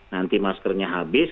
nanti maskernya habis